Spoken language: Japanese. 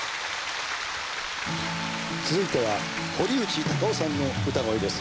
続いては堀内孝雄さんの歌声です。